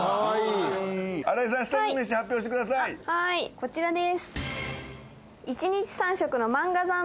こちらです。